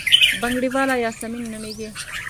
بنګړیواله یاسمین نومېږي.